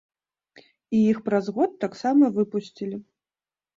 І іх праз год таксама выпусцілі.